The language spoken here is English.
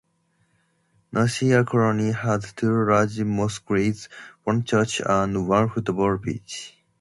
Nasir Colony has two large mosques, one church, and one football pitch.